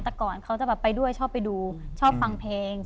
แต่ก่อนเขาจะแบบไปด้วยชอบไปดูชอบฟังเพลง